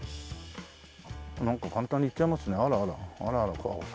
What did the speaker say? なんか簡単にいっちゃいますねあらあらあらあら。